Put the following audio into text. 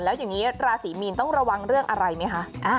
แล้วอย่างนี้ราศีมีนต้องระวังเรื่องอะไรไหมคะ